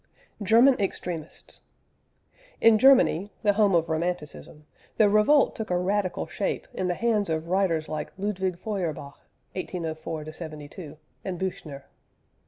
GERMAN EXTREMISTS. In Germany, the home of Romanticism, the revolt took a radical shape in the hands of writers like Ludwig Feuerbach (1804 72) and Büchner.